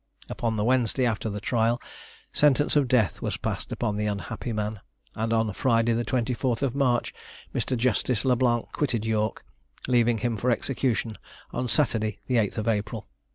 Upon the Wednesday after the trial, sentence of death was passed upon the unhappy man, and on Friday the 24th March Mr. Justice Le Blanc quitted York, leaving him for execution on Saturday the 8th April.